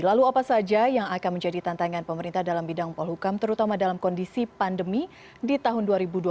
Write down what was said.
lalu apa saja yang akan menjadi tantangan pemerintah dalam bidang polhukam terutama dalam kondisi pandemi di tahun dua ribu dua puluh